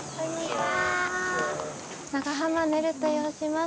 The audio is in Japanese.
長濱ねると申します。